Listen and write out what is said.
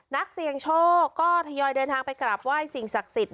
นักเสี่ยงโชคก็ทยอยเดินทางไปกราบไหว้สิ่งศักดิ์สิทธิ